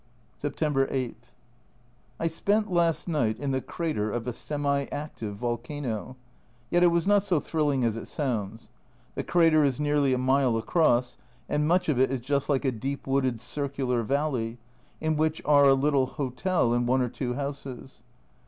September 8. I spent last night in the crater of a semi active volcano ! Yet it was not so thrilling as it sounds. The crater is nearly a mile across, and much of it is just like a deep wooded circular valley, in which are a little hotel and one or two houses.